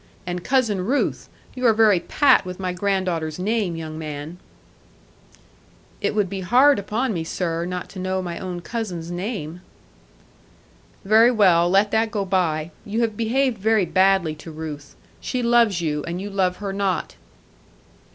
'And Cousin Ruth! You are very pat with my granddaughter's name, young man!' 'It would be hard upon me, sir, not to know my own cousin's name.' 'Very well. Let that go by. You have behaved very badly to Ruth. She loves you; and you love her not.'